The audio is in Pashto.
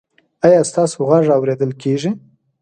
ایا ستاسو غږ اوریدل کیږي؟